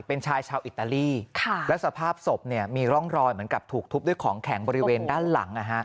เป็นชายชาวอิตาลีและสภาพศพมีร่องรอยเหมือนกับถูกทุบด้วยของแข็งบริเวณด้านหลัง